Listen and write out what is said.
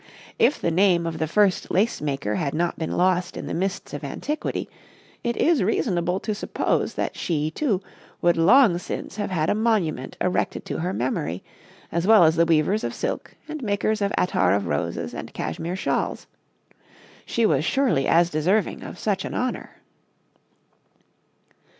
If the name of the first lace maker had not been lost in the mists of antiquity, it is reasonable to suppose that she, too, would long since have had a monument erected to her memory, as well as the weavers of silk and makers of attar of roses and cashmere shawls. She was surely as deserving of such an honor.